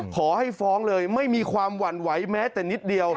ขอให้ฟ้องเลยไม่มีความหวั่นไหวแม้แต่นิดเดียว